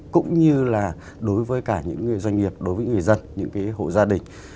cũng như là đối với cả những người doanh nghiệp đối với người dân những cái hội gia đình